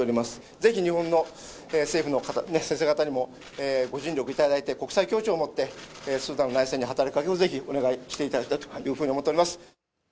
ぜひ日本の政府の方、先生方にもご尽力いただいて、国際協調をもってスーダンの内政に働きかけをぜひお願いしていただきたいというふうに思っております。